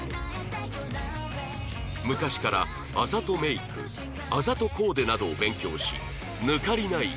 昔からあざとメイクあざとコーデなどを勉強し